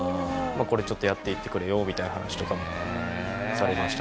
「これちょっとやっていってくれよ」みたいな話とかもされましたね。